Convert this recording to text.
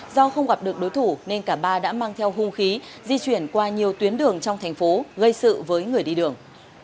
do không gặp được đối thủ nên cả ba đã mang theo hung khí di chuyển qua nhiều tuyến đường trong thành phố gây sự với người đi đường